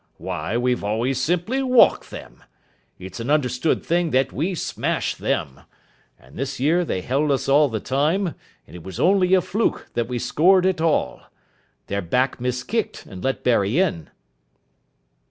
Why, we've always simply walked them. It's an understood thing that we smash them. And this year they held us all the time, and it was only a fluke that we scored at all. Their back miskicked, and let Barry in."